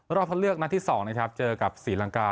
รอบคัดเลือกนัดที่๒นะครับเจอกับศรีลังกา